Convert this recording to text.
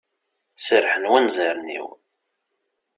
Serrḥen wanzaren-iw.